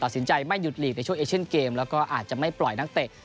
ตัดสินใจไม่หยุดหลีกในช่วงและจะไม่เปล่านักเตะ